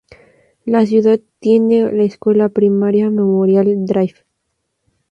La ciudad tiene la Escuela Primaria Memorial Drive.